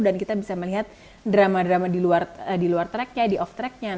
dan kita bisa melihat drama drama di luar tracknya di off tracknya